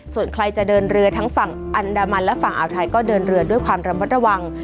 ส่วนใครจะเดินเรือทั้งฝั่งอันดามันและฝั่งอ่าวไทยก็เดินเรือด้วยความระมัดระวัง